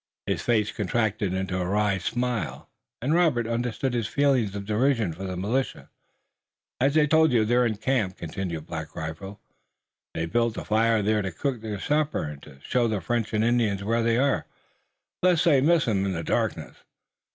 His face contracted into a wry smile, and Robert understood his feeling of derision for the militia. "As I told you, they're in camp," continued Black Rifle. "They built a fire there to cook their supper, and to show the French and Indians where they are, lest they miss 'em in the darkness.